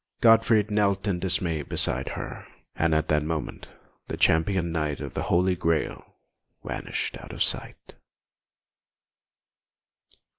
Gottfried knelt in dismay beside her; and at that moment the Champion Knight of the Holy Grail vanished out of sight.